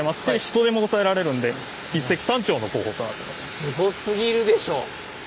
実際すごすぎるでしょう。